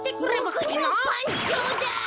ボクにもパンちょうだい。